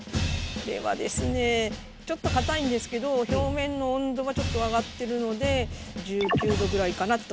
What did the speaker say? ではですねちょっとかたいんですけどひょうめんの温度はちょっと上がってるので１９℃ぐらいかなと思います。